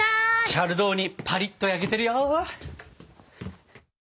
チャルドーニパリッと焼けてるよ！